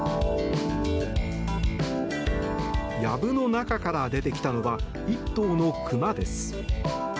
やぶの中から出てきたのは１頭の熊です。